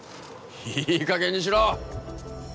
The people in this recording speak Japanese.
いいかげんにしろ！